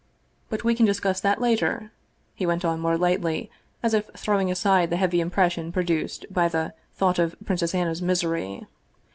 But we can discuss that later," he went on more lightly, as if throwing aside the heavy impression produced by the thought of Princess Anna's misery.